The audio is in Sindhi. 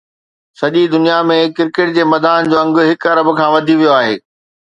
سڄي دنيا ۾ ڪرڪيٽ جي مداحن جو انگ هڪ ارب کان وڌي ويو آهي